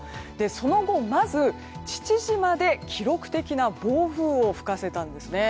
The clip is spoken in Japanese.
その後、まず父島で記録的な暴風を吹かせたんですね。